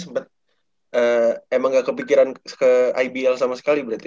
sempet emang gak kepikiran ke ibl sama sekali berarti